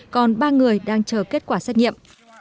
còn ba người đang chờ kết quả xét nghiệm